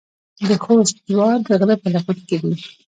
د خوست جوار د غره په لمن کې دي.